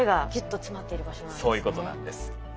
そういうことなんです。